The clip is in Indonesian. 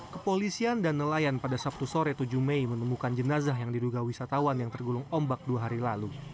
kepolisian dan nelayan pada sabtu sore tujuh mei menemukan jenazah yang diduga wisatawan yang tergulung ombak dua hari lalu